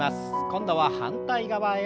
今度は反対側へ。